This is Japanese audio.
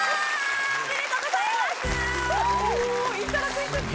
おめでとうございます！